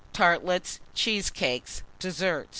Tartlets. Cheesecakes. DESSERT.